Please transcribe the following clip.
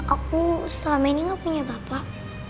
aku selama ini gak punya bapak